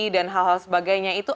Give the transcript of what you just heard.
dan hal hal sebagainya itu